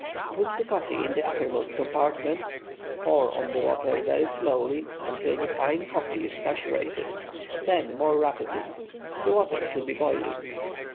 Put the coffee in the uppermost compartment, pour on the water very slowly until the fine coffee is saturated, then more rapidly. The water should be boiling.